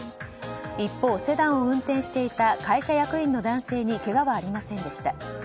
一方、セダンを運転していた会社役員の男性にけがはありませんでした。